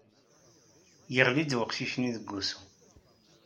Yeɣli-d weqcic-nni deg wusu.